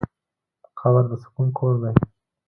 قبر د سکون کور دی.